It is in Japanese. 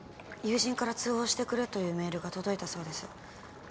友人から通報してくれというメールが届いたそうです。